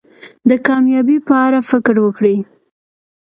د کامیابی په اړه فکر وکړی.